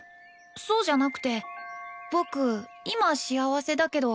そうじゃなくて僕今幸せだけど